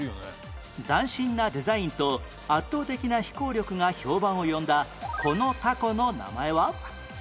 斬新なデザインと圧倒的な飛行力が評判を呼んだこの凧の名前は？